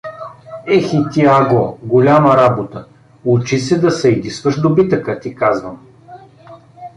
— Ех и ти, Аго… Голяма работа… учи седа сайдисваш добитъка, ти казвам.